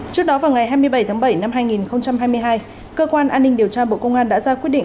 trước đó vào ngày hai mươi bảy tháng bảy năm hai nghìn hai mươi hai cơ quan an ninh điều tra bộ công an đã ra quyết định